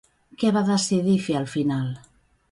Què va decidir fer al final?